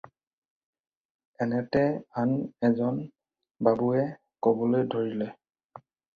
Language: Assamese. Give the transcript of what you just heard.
এনেতে আন এজন বাবুৱে ক'বলৈ ধৰিলে।